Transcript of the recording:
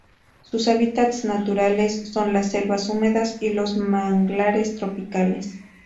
Sus hábitats naturales son las selvas húmedas y los manglares tropicales..